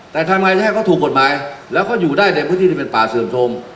แต่ทำไงจะให้เขาถูกกฎหมายแล้วเขาอยู่ได้ในพื้นที่ที่เป็นป่าเสื่อมชม